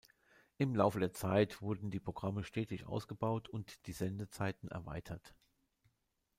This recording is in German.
Im Laufe der Zeit wurden die Programme stetig ausgebaut und die Sendezeiten erweitert.